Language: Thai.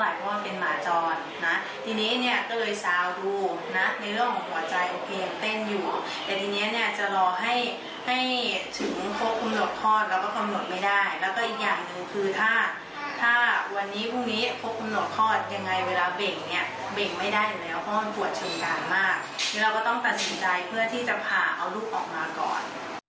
เราก็ต้องตัดสินใจเพื่อที่จะผ่าเอาลูกออกมาก่อน